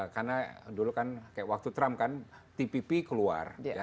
karena dulu kan kayak waktu trump kan tpp keluar ya